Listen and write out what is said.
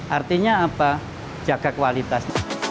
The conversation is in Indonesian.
artinya apa jaga kualitas